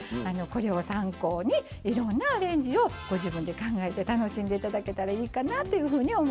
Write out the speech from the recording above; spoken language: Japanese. これを参考にいろんなアレンジをご自分で考えて楽しんで頂けたらいいかなというふうに思います。